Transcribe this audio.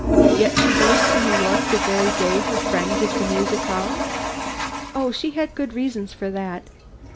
"Yet she goes to New York the very day her friend gives a musicale." "Oh, she had good reasons for that.